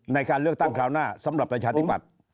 ในการเลือกตั้งคราวหน้าสำหรับประชาธิบัติ